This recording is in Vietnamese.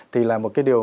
thì là một cái điều